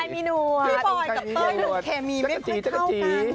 ผู้ชายมีหนัวพี่บอยกับเบอร์แคมมีไม่ค่อยเข้ากัน